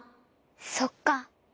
そっか。